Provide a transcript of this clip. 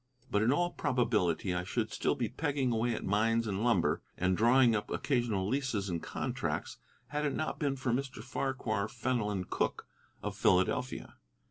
But in all probability I should be still pegging away at mines and lumber, and drawing up occasional leases and contracts, had it not been for Mr. Farquhar Fenelon Cooke, of Philadelphia.